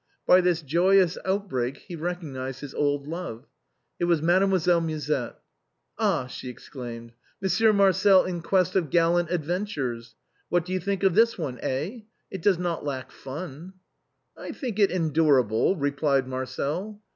By this joyous outbreak he recog nized his old love. It was Mademoiselle Musette. "Ah !" she exclaimed, " Monsieur Marcel in quest of gallant adventures. What do you think of this one, eh? It does not lack fun." " I think it endurable," replied Marcel.